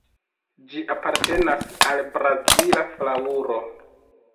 Ĝi apartenas al Brazila flaŭro.